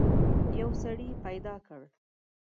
یو سړی پیدا کړ.